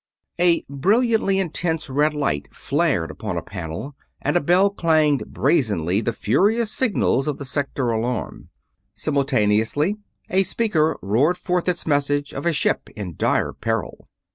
A brilliantly intense red light flared upon a panel and a bell clanged brazenly the furious signals of the sector alarm. Simultaneously a speaker roared forth its message of a ship in dire peril.